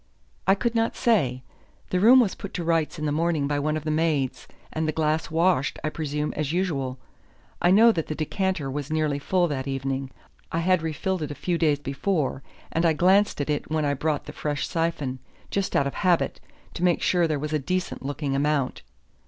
"I could not say. The room was put to rights in the morning by one of the maids, and the glass washed, I presume, as usual. I know that the decanter was nearly full that evening; I had refilled it a few days before, and I glanced at it when I brought the fresh syphon, just out of habit, to make sure there was a decent looking amount."